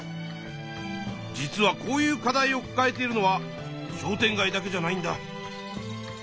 実はこういう課題をかかえているのは商店街だけじゃないんだ。